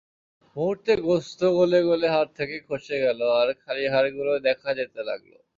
মুহূর্তে গোশত গলে গলে হাড় থেকে খসে গেল আর খালি হাড়গুলো দেখা যেতে লাগল।